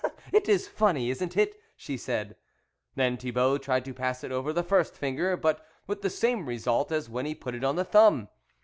" It is funny, isn't it !" she said. Then Thibault tried to pass it over the first finger, but with the same result as when he put it on the thumb.